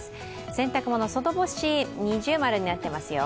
洗濯物、外干し、二重丸になってますよ。